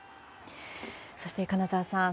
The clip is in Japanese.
そして、金沢さん